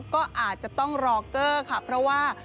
ก็อาจจะต้องรอเกอร์ค่ะเพราะว่า